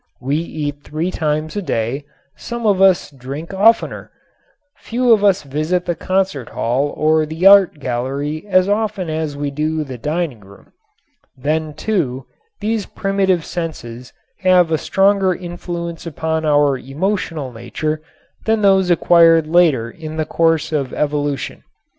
We eat three times a day; some of us drink oftener; few of us visit the concert hall or the art gallery as often as we do the dining room. Then, too, these primitive senses have a stronger influence upon our emotional nature than those acquired later in the course of evolution.